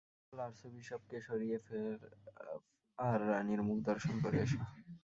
নকল আর্চবিশপকে সরিয়ে ফেল আর রানির মুখদর্শন করে এসো।